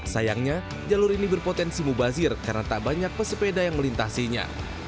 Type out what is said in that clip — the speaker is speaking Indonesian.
sayangnya jalur ini berpotensi mubazir karena tak banyak pesepeda yang melintasinya